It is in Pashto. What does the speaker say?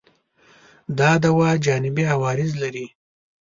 دا دوا جانبي عوارض لري؟